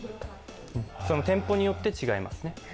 店舗によって違いますね。